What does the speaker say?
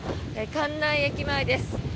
関内駅前です。